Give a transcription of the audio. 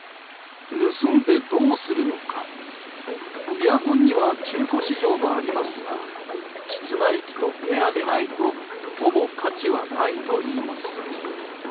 エアコンには中古市場もありますが室内機とペアでないとほぼ価値はないといいます。